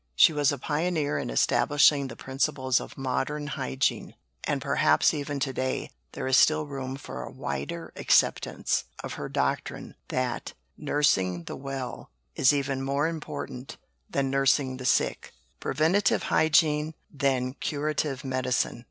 She was a pioneer in establishing the principles of modern hygiene; and perhaps even to day there is still room for a wider acceptance of her doctrine that "nursing the well" is even more important than nursing the sick preventive hygiene, than curative medicine.